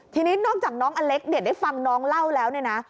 ทีนี้นอกจากน้องอเล็กได้ฟังน้องเล่าแล้วนะ